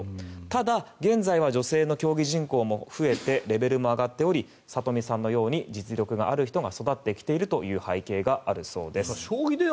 ただ、現在は女性の競技人口も増えてレベルも上がっており里見さんのように実力のある人が育ってきているという背景があるそうです。